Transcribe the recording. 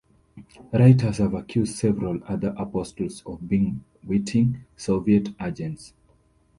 Writers have accused several other Apostles of being witting Soviet agents.